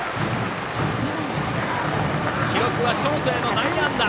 記録はショートへの内野安打。